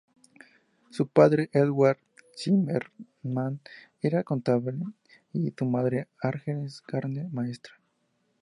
Su padre, Edward Zimmermann, era contable, y su madre, Agnes Gardner, maestra.